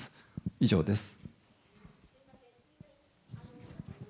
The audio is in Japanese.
以上です。